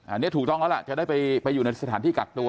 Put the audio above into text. อันนี้ถูกต้องแล้วล่ะจะได้ไปอยู่ในสถานที่กักตัว